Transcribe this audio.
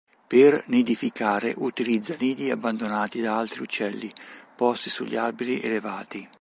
Per nidificare utilizza nidi abbandonati da altri uccelli posti sugli alberi elevati.